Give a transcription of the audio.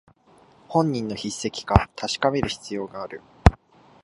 本人の筆跡か確かめる必要がある